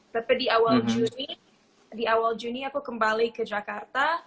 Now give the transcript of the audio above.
tapi di awal juni di awal juni aku kembali ke jakarta